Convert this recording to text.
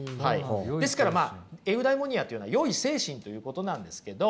ですからまあエウダイモニアというのは善い精神ということなんですけど。